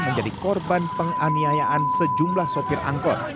menjadi korban penganiayaan sejumlah sopir angkot